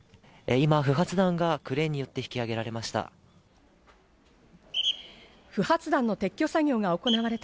今、不発弾がクレーンによって引き上げられました。